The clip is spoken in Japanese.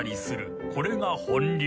［これが本流］